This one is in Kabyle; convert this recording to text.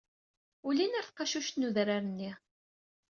Ulin ɣer tqacuct n udrar-nni.